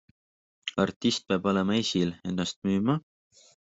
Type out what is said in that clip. Artist peab olema esil, ennast müüma?